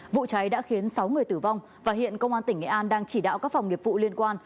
vụ cháy đã khiến sáu người tử vong và hiện công an tỉnh nghệ an đang chỉ đạo các phòng nghiệp vụ liên quan